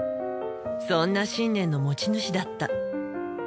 そんな信念の持ち主だった。